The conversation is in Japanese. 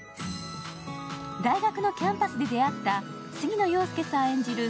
大学のキャンパスで出会った杉野遥亮さん演じる